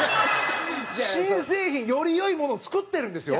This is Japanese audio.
新製品！より良いものを作ってるんですよ。